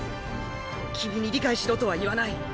君に理解しろとは言わない。